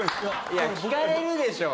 いや聞かれるでしょ！